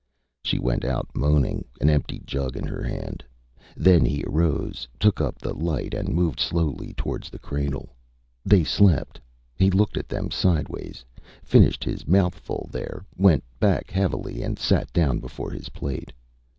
Â She went out moaning, an empty jug in her hand. Then he arose, took up the light, and moved slowly towards the cradle. They slept. He looked at them sideways, finished his mouthful there, went back heavily, and sat down before his plate.